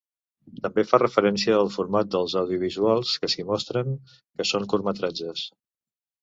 També fa referència al format dels audiovisuals que s’hi mostren, que són curtmetratges.